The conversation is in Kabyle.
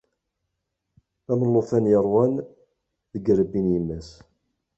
Am llufan yeṛwan deg yirebbi n yemma-s.